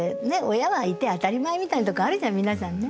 親はいて当たり前みたいなとこあるじゃない皆さんね。